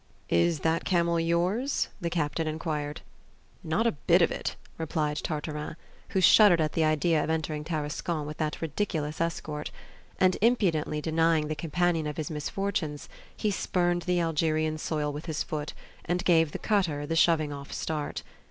"Is that camel yours?" the captain inquired. "Not a bit of it!" replied Tartarin, who shuddered at the idea of entering Tarascon with that ridiculous escort; and, impudently denying the companion of his misfortunes, he spurned the Algerian soil with his foot, and gave the cutter the shoving off start.